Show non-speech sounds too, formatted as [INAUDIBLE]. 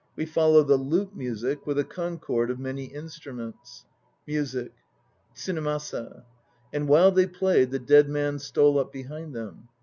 We follow the lute music with a concord of many instruments. [MUSIC] TSUNEMASA. And while they played the dead man stole up behind them.